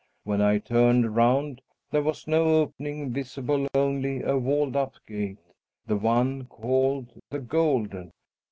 When I turned round, there was no opening visible, only a walled up gate the one called the Golden.